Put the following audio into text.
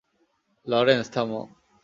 Lawrence, থামো!